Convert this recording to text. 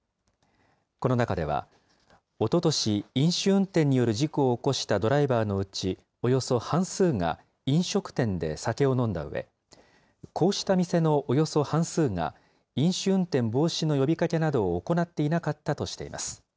この中では、おととし、飲酒運転による事故を起こしたドライバーのうちおよそ半数が、飲食店で酒を飲んだうえ、こうした店のおよそ半数が飲酒運転防止の呼びかけなどを行っていなかったとしています。